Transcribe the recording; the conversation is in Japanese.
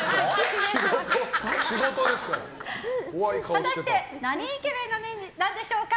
果たして何イケメンなんでしょうか。